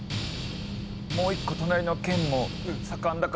もう１個隣の県も盛んだから。